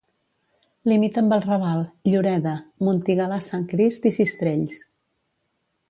Limita amb El Raval, Lloreda, Montigalà Sant Crist i Sistrells.